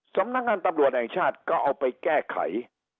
สำนักงานตำรวจแห่งชาติก็เอาไปแก้ไข